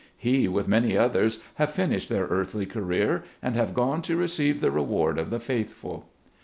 He, with many others, have finished their earthly career, and have gone to receive the reward of the faithful.